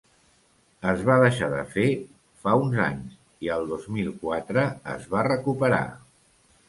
Es va deixar de fer fa uns anys i al dos mil quatre es va recuperar.